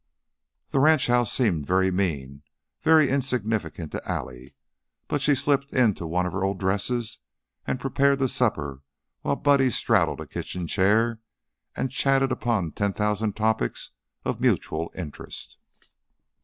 The ranch house seemed very mean, very insignificant to Allie, but she slipped into one of her old dresses and prepared the supper while Buddy straddled a kitchen chair and chattered upon ten thousand topics of mutual interest.